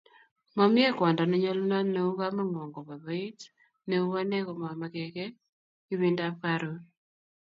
Momie kwondo nenyolunot neu kamengwong koboi boiyot neu ane komamake kiy ibindap karon